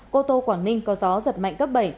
cô tô quảng ninh có gió giật mạnh cấp bảy